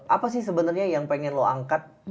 apa sih sebenarnya yang pengen lo angkat